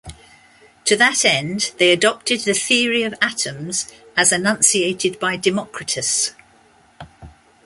To that end, they adopted the theory of atoms as enunciated by Democritus.